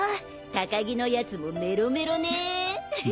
高木の奴もメロメロね！